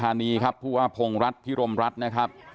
ครับผู้ว่าพงรัฐพิรมรัฐนะครับ